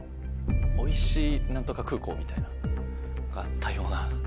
「おいしい何とか空港」みたいなあったような。